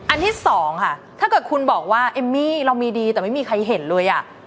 ที่สองค่ะถ้าเกิดคุณบอกว่าเอมมี่เรามีดีแต่ไม่มีใครเห็นเลยอ่ะ